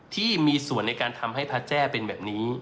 ที่มีส่วนในการทำให้พระแจ้เป็นแบบนี้